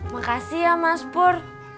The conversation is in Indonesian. makasih ya mas pur